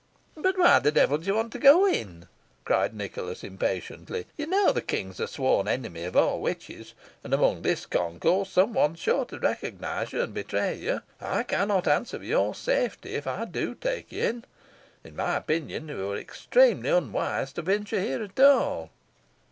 "But why the devil do you want to go in?" cried Nicholas, impatiently. "You know the King is the sworn enemy of all witches, and, amongst this concourse, some one is sure to recognise you and betray you. I cannot answer for your safety if I do take you in. In my opinion, you were extremely unwise to venture here at all."